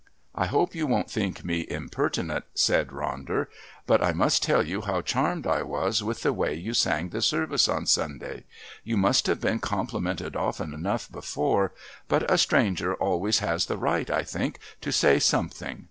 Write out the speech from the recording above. "I hope you won't think me impertinent," said Ronder, "but I must tell you how charmed I was with the way that you sang the service on Sunday. You must have been complimented often enough before, but a stranger always has the right, I think, to say something.